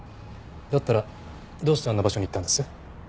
だったらどうしてあんな場所に行ったんです？